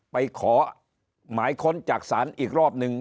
ไปขอหมายค้นจากศาลอีกรอบนึง